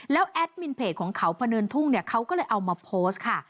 แล้วแอดมินเพจของเขาพะเนินทุ่งเนี่ยเขาก็เลยเอามาโพสต์ค่ะ